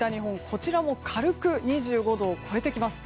こちらも軽く２５度を超えてきます。